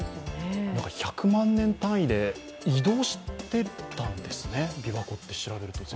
１００万年単位で移動してたんですね、琵琶湖って。